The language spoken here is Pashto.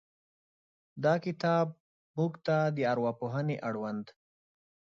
دا کتاب موږ ته د ارواپوهنې اړوند